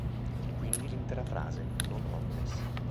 Quindi l'intera frase Non omnes.